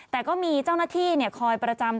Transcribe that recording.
แต่ก็มีเจ้าหน้าที่คอยประจำ